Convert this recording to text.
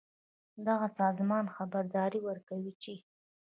دغه سازمان خبرداری ورکوي چې